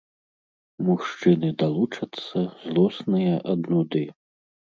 Мужчыны далучацца, злосныя ад нуды.